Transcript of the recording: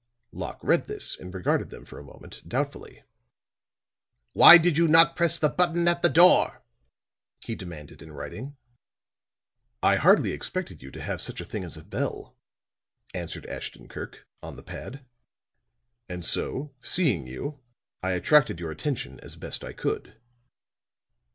Locke read this and regarded them for a moment, doubtfully. "Why did you not press the button at the door?" he demanded in writing. "I hardly expected you to have such a thing as a bell," answered Ashton Kirk, on the pad. "And so, seeing you, I attracted your attention as best I could."